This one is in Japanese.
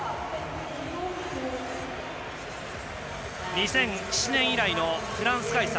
２００７年以来のフランス開催